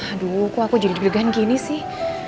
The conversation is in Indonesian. aduh kok aku jadi deg degan gini sih